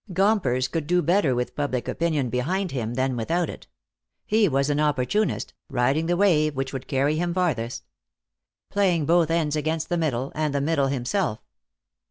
Gompers could do better with public opinion behind him than without it. He was an opportunist, riding the wave which would carry him farthest. Playing both ends against the middle, and the middle, himself.